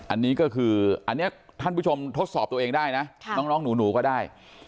อันนี้ก็คืออันนี้ท่านผู้ชมทดสอบตัวเองได้นะน้องหนูก็ได้